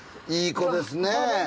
いい子ですねえ。